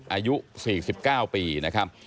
อายุ๔๙ปีนะครับ